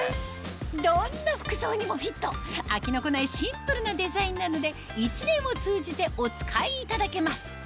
どんな服装にもフィット飽きの来ないシンプルなデザインなので１年を通じてお使いいただけます